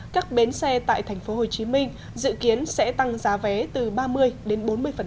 các bến xe tại tp hcm dự kiến sẽ tăng giá vé từ ba mươi đến bốn mươi